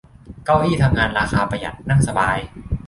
เก้าอี้ทำงานราคาประหยัด นั่งสบาย